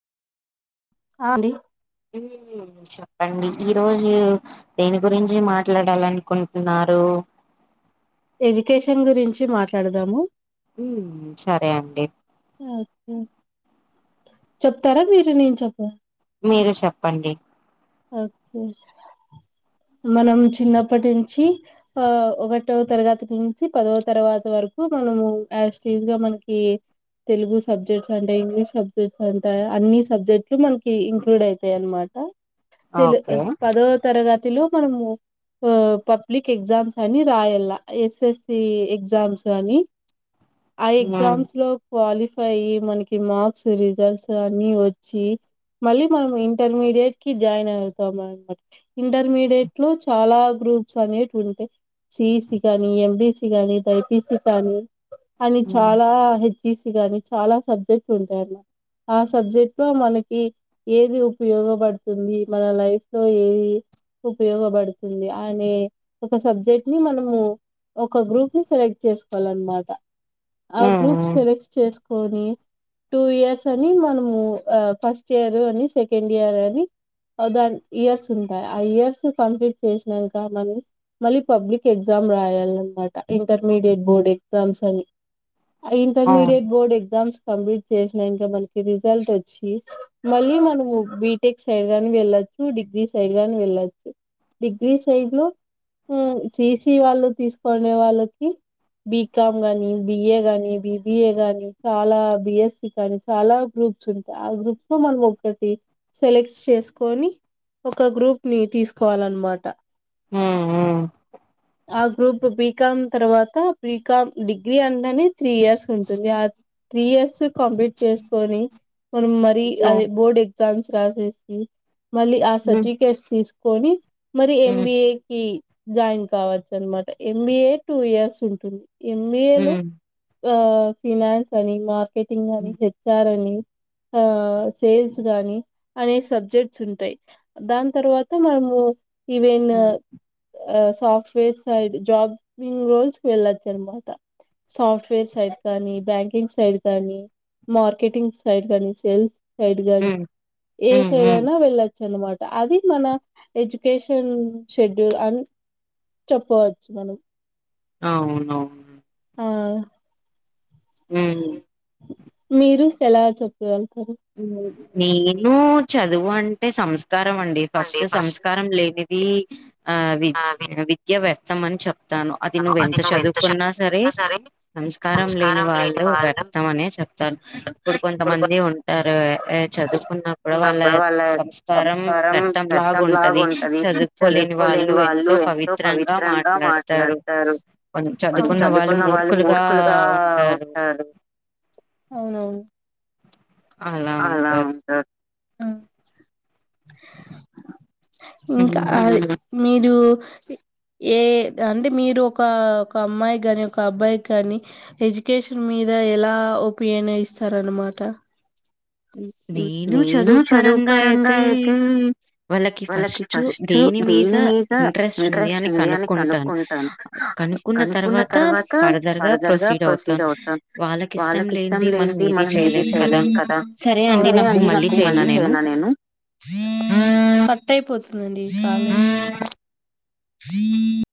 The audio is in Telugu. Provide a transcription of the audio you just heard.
ఆ అండి ఉ చెప్పండి ఈ రోజు దేని గురించి మాట్లాడాలనుకుంటున్నారు ఎడ్యుకేషన్ గురించి మాట్లాడుదాము ఉహ్మ్ సరే అండి యూ యూ చెప్తారా మీరు నేను చెప్పా మీరే చెప్పండి ఓకే మనం చిన్నప్పటి నుంచి ఆ ఒకటో తరగతి నుంచి పదో తర్వాత వరు కు మనం యాజ్ టీజ్ గా మనకి తెలుగు సబ్జెక్ట్స్ అంట ఇంగ్లీష్ సబ్జెక్ట్స్ అంట అన్ని సబ్జెక్టులు మనకి ఇంక్లూడ్ అయితాయి అన్నమాట తెలు పదో తరగతిలో మనము పా పబ్లిక్ ఎగ్జామ్స్ అని రాయలా ఎస్ఎస్సి ఎగ్జామ్స్ అని ఆ ఎగ్జామ్స్ లో క్వాలిఫై అయ్యి మనకి మార్క్స్ రిజల్ట్స్ అన్ని వచ్చి మళ్లీ మనం ఇంటర్మీడియట్ కి జాయిన్ అవుతాం అన్నమా ఇంటర్మీడియట్ లో చాలా గ్రూప్స్ అనేటివి ఉంటే సిఈసి కానీ ఎంబీసీ కాని బైపీసీ కానీ అని చాలా హే తీసి గాని చాలా సబ్జెక్టులు ఉంటాయన్న ఆ సబ్జెక్టులో మనకి ఏది ఉపయోగపడుతుంది మన లైఫ్ లో ఏఈ ఉపయోగపడుతుంది అనే ఒక సబ్జెక్ట్ ని మనము ఒక గ్రూప్ నీ సెలెక్ట్ చేసుకోవాలన్నమాట ఆ గ్రూప్స్ సెలెక్ట్ చేస్ కొని టూ ఇయర్స్ అని మనము ఆ ఫస్ట్ ఇయర్ అని సెకండ్ ఇయర్ అని అ దాని ఇయర్స్ ఉంటాయి ఆ ఇయర్స్ కంప్లీట్ చేసినంక మనం మళ్ళీ పబ్లిక్ ఎగ్జామ్ కం రాయాలన్నమాట ఇంటర్మీడియట్ బోర్డ్ ఎగ్జామ్స్ అని అయి ఇంటర్మీడియేట్ బోర్డ్ ఎగ్జామ్స్ కంప్లీట్ చేసిన ఇంకా మనకి రిజల్ట్స్ వచ్చి మళ్లీ మనము బీటెక్ సైడ్ కాని వెళ్ళ ఇ డిగ్రీ సైడ్ గాని వెళ్లొచ్చు డిగ్రీ సైడ్ లో యూ సీసీ వాళ్ళు తీసుకునే వాళ్ళకి బీకాం గాని బిఏ గాని బిబి బిఎ గానీ చాలా బిఎస్సీ కానీ చాలా గ్రూప్స్ ఉంటా ఆ గ్రూప్స్ లో మనం ఒక్కట్ సెలెక్ట్స్ చేసుకొని ఒక గ్రూప్ ని తీసుకోవాలన్నమాట ఆ ఆ గ్రూప్ బీకాం తర్వాత బీకాం డిగ్రీ అంటేనే త్రీ ఇయర్స్ ఉంటుంది ఆ త్రీ ఇయర్స్ ఉ కంప్లీట్ చేసుకొని మనం మరీ అదే బోర్డ్ ఎగ్జామ్స్ రాసేసి మళ్ళీ ఆ సర్టిఫికెట్స్ తీసుకొని మరి ఎంబిఏ కి జాయిన్ కావచ్చు అన్నమాట ఎంబీఏ టూ ఇయర్స్ ఉంటుంది ఎంబీఏ లో ఆ ఫైనాన్స్ అని మార్కెటింగ్ అని హెచ్ ఆర్ అని ఆ సేల్స్ గానీ అనే సబ్జెక్ట్స్ ఉంటాయి దాని తర్వాత మనము even as software side jobbing rules వెళ్లొచ్చన్నమాట సాఫ్ట్ వేర్ సైడ్ కానీ బ్యాంకింగ్ సైడ్ కానీ మార్కెటింగ్ సైడ్ కానీ సేల్స్ సైడ్ గాని ఏ సైడ్ అయినా వెళ్లా అన్నమాట అది మన ఎడ్యుకేషన్ షెడ్యూల్ అండ్ చెప్పవచ్చు మనం అవును హా మీరు ఎలా చెప్పుాలి నేను చదువు అంటే సంస్క సంస్కారం అండి ఫస్ట్ సంస్కారం లేనిది ఆ వి విద్య వ్యర్థం అని చెప్ చెతాను అది నువ్ ఎంత చదువుకున్నా సరే సంస్కారం లేని వాళ్ళు వ్యర్థం అనే చెప్తారు ఇప్పుడు కొంతమంది ఉ వారు చదువుకున్నా అప్పుడు వాళ్ళ సంస్కారం వర్థం లాగా ఉంటుంది చదువుకోలేని వాళ్ళు ఎంతో పవిత్రంగా మాట్లాడు కొండారు చదువుకున్న వాళ్ళు మూర్ఖులుగా ఉంటారు అవునవును అలా ఉంటారు ఇంకా మీరు ఏ అంటే మీరు ఒక ఒక అమ్మాయి కానీ ఒక అబ్బాయి కాని ఎడ్యుకేషన్ మీరు మీదా ఎలా ఓపియన్ ఇస్తారన్నమాట నేను చదువు పరంగా అయితే వాళ్ళకి ఫస్ట్ దేని మీద ఇంట్రెస్ట్ ఉంది అని కనుక్కుంటాను కనుక్కున్న తర్వాత ఫర్దర్ గా ప్రొసీడ్ అవుతాం వాళ్ళకి ఇష్టం లేని మనం ఏది చేయలేం కదా సరే అండి నాకు మళ్ళీ చెయనా నేను పోతుందండి కాలేజ ఉమ్ దీ